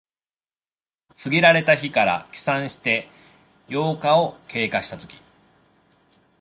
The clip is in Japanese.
告げられた日から起算して八日を経過したとき。